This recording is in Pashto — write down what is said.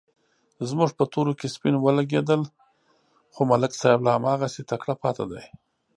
زموږ په تورو کې سپین ولږېدل، خو ملک صاحب لا هماغسې تکړه پاتې دی.